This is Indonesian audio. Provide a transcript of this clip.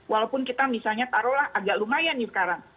walaupun kita misalnya taruh agak lumayan sekarang